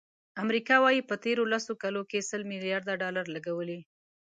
امریکا وایي، په تېرو لسو کالو کې سل ملیارد ډالر لګولي.